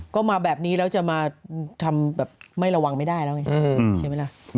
ก็มาแบบนี้แล้วจะมาทำแบบไม่ระวังไม่ได้แล้วไงใช่ไหมล่ะ